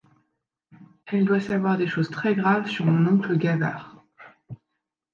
Elle doit savoir des choses très-graves sur mon oncle Gavard.